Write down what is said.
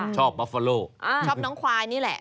ชอบฮ่าชอบไอน้องขวายนี่แหละ